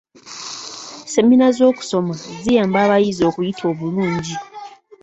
Semina z'okusoma ziyamba abayizi okuyita obulungi.